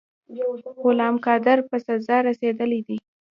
غلام قادر په سزا رسېدلی دی.